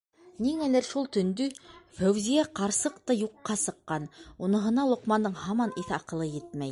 Ниңәлер шул төндө Фәүзиә ҡарсыҡ та юҡҡа сыҡҡан - уныһына Лоҡмандың һаман иҫ-аҡылы етмәй.